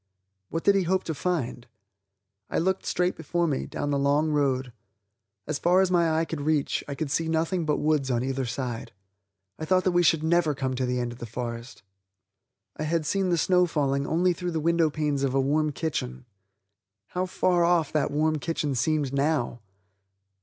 What did he hope to find? I looked straight before me, down the long road. As far as my eye could reach, I could see nothing but woods on either side. I thought we should never come to the end of that forest. I had seen the snow falling only through the window panes of a warm kitchen. How far off that warm kitchen seemed now!